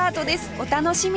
お楽しみに